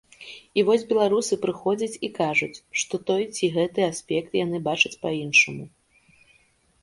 І вось беларусы прыходзяць і кажуць, што той ці гэты аспект яны бачаць па-іншаму.